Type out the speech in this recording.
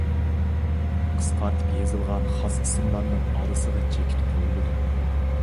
قىسقارتىپ يېزىلغان خاس ئىسىملارنىڭ ئارىسىغا چېكىت قويۇلىدۇ.